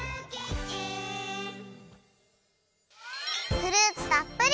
フルーツたっぷり！